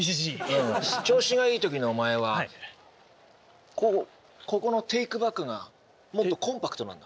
調子がいいときのお前はこうここのテークバックがもっとコンパクトなんだ。